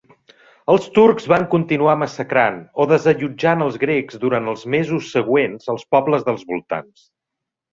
Els turcs van continuar massacrant o desallotjant els grecs durant els mesos següents als pobles dels voltants.